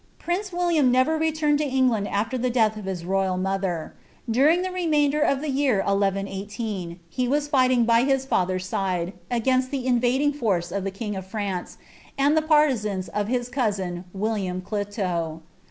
Prince William never returned to England after ihe death of his nyil mother. During the remainder of the year IMS, he was 6gbting by his iaiher's side, against the invading force of the king of >'mitce, ud the partisans of his cousin William Clito.